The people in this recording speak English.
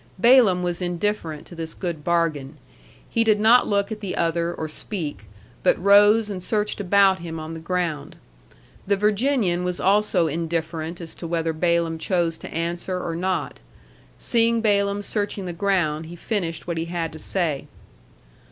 Balaam was indifferent to this good bargain. He did not look at the other or speak, but rose and searched about him on the ground. The Virginian was also indifferent as to whether Balaam chose to answer or not. Seeing Balaam searching the ground, he finished what he had to say.